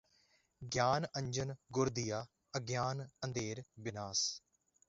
ਗਿਆਨ ਅੰਜਨ ਗੁਰ ਦੀਆ ਅਗਿਆਨ ਅੰਧੇਰ ਬਿਨਾਸ